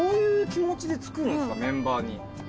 メンバーに。